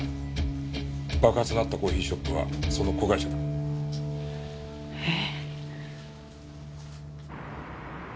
爆発のあったコーヒーショップはその子会社だ。え？